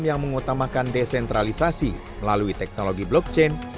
yang mengutamakan desentralisasi melalui teknologi blockchain